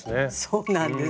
そうなんです。